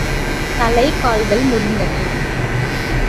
தலை, கால்கள் முறிந்தன.